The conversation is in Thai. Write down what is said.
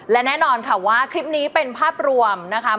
และแน่นอนค่ะว่าคลิปนี้เป็นภาพรวมนะคะ